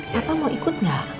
papa mau ikut gak